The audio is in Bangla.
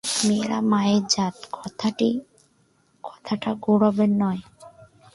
মেয়েরা মায়ের জাত, কথাটা গৌরবের নয়।